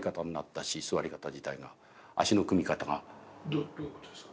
どどういうことですか？